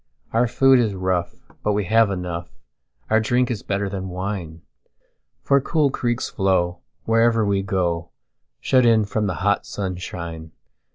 Our food is rough, but we have enough; Our drink is better than wine:For cool creeks flow wherever we go, Shut in from the hot sunshine.